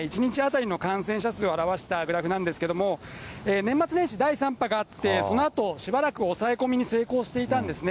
新規の１日当たりの感染者数を表したグラフなんですけれども、年末年始、第３波があって、そのあとしばらく抑え込みに成功していたんですね。